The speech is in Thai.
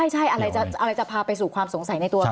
ใช่อะไรจะพาไปสู่ความสงสัยในตัวเรา